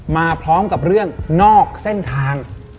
มาพร้อมกับเรื่องนอกเส้นทาง